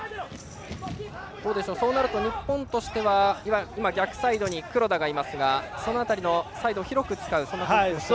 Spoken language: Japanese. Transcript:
そうなると日本としては逆サイドに黒田がいますがその辺りのサイドを広く使うその姿勢が見えますね。